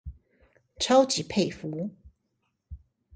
超級佩服